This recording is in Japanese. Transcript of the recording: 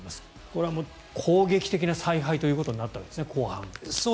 これは攻撃的な采配ということになったわけですね。